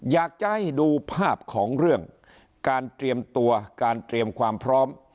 อยากจะให้ดูภาพของเรื่องการเตรียมตัวการเตรียมความพร้อม